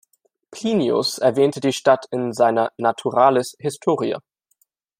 Plinius erwähnt die Stadt in seiner Naturalis historia.